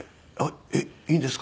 「えっいいんですか？」